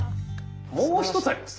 もう一つあります。